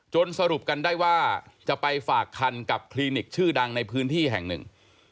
สรุปกันได้ว่าจะไปฝากคันกับคลินิกชื่อดังในพื้นที่แห่งหนึ่ง